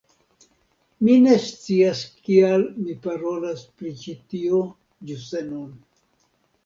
Mi ne scias kial mi parolas pri ĉi tio ĝuste nun